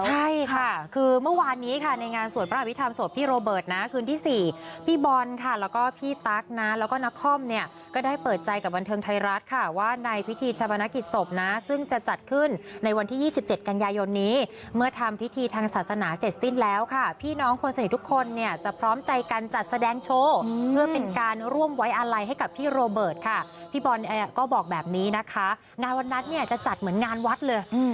ใช่ค่ะคือเมื่อวานนี้ค่ะในงานสวดประวัติวิทธรรมสวดพี่โรเบิร์ตนะคืนที่๔พี่บอลค่ะแล้วก็พี่ตั๊กนะแล้วก็นครเนี่ยก็ได้เปิดใจกับวันเทิงไทยรัฐค่ะว่าในพิธีชะพนักกิจศพนะซึ่งจะจัดขึ้นในวันที่๒๗กันยายนนี้เมื่อทำพิธีทางศาสนาเสร็จสิ้นแล้วค่ะพี่น้องคนสนิททุกคนเนี่ยจะพร้